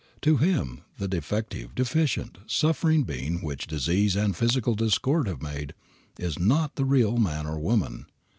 To him the defective, deficient, suffering being which disease and physical discord have made is not the real man or woman.